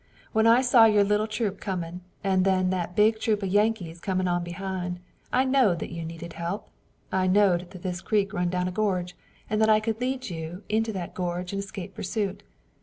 When I saw your little troop comin', an' then that big troop of the Yankees comin' on behind, I knowed that you needed help. I knowed that this creek run down a gorge, and that I could lead you into the gorge and escape pursuit.